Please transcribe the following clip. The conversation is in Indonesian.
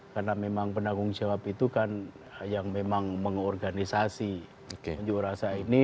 karena memang penanggung jawab itu kan yang memang mengorganisasi unjuk rasa ini